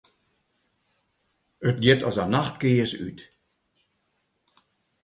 It giet as in nachtkears út.